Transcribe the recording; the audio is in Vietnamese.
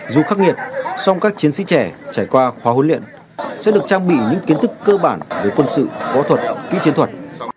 dù khắc nghiệt song các chiến sĩ trẻ trải qua khóa huấn luyện sẽ được trang bị những kiến thức cơ bản về quân sự võ thuật kỹ chiến thuật